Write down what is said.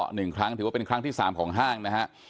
หนึ่งครั้งถือว่าเป็นครั้งที่สามของห้างนะฮะ